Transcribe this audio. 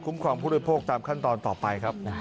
คุ้มความพูดโดยโภคตามขั้นตอนต่อไปครับ